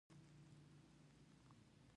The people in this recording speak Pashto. سهار د خپلې لارې د انتخاب فرصت دی.